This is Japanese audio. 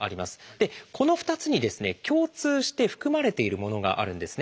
でこの２つにですね共通して含まれているものがあるんですね。